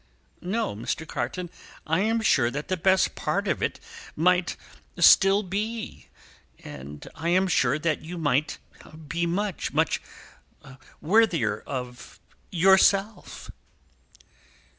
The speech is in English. "No, Mr. Carton. I am sure that the best part of it might still be; I am sure that you might be much, much worthier of yourself."